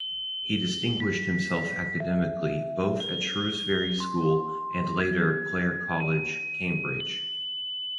He distinguished himself academically both at Shrewsbury School and later Clare College, Cambridge.